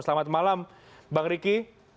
selamat malam bang riki